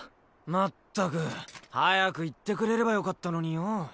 まったく早く言ってくれればよかったのによ。